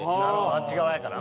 あっち側やからな。